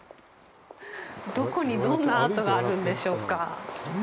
どこにどんなアートがあるんでしょうか。